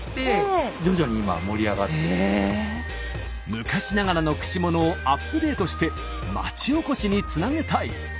昔ながらの串物をアップデートして町おこしにつなげたい。